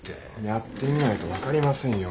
やってみないと分かりませんよ。